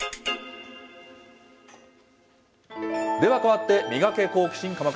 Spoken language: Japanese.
では変わって、ミガケ、好奇心！